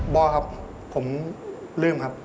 บ่อครับผมลืมครับ